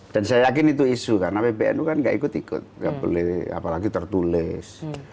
dan saya yakin itu isu karena pbnu kan nggak ikut ikut nggak boleh apalagi tertulis